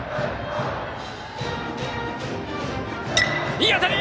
いい当たり！